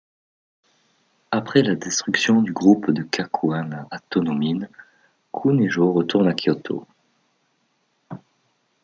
Après la destruction du groupe de Kakuan à Tōnomine, Koun Ejō retourne à Kyoto.